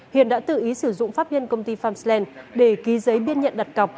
hiền đã tự ý sử dụng pháp viên công ty pham slen để ký giấy biên nhận đặt cọc